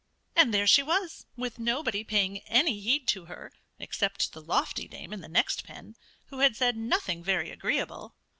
And there she was, with nobody paying any heed to her, except the lofty dame in the next pen, who had said nothing very agreeable.